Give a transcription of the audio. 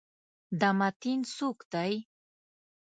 دا متین څوک دی؟